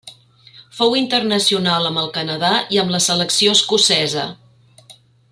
Fou internacional amb el Canadà i amb la selecció escocesa.